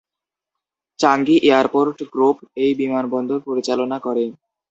চাঙ্গি airport group এই বিমানবন্দর পরিচালনা করে।